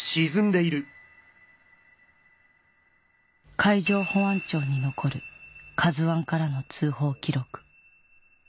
海上保安庁に残る「ＫＡＺＵ」からの通報記録